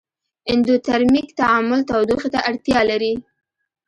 اندوترمیک تعامل تودوخې ته اړتیا لري.